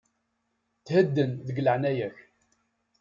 Thedden, deg leɛaya-k.